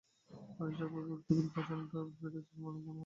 অনানুষ্ঠানিক ওই বক্তব্যের পরই পাউন্ডের দর বেড়েছে এমনটা মনে করা হচ্ছে।